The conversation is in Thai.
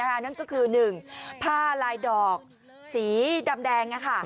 นั่นก็คือ๑ผ้าลายดอกสีดำแดง